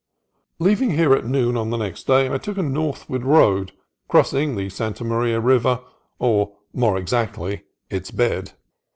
Leaving here at noon of the next day I took a northward road, crossing the Santa Maria River, or, more exactly, its bed.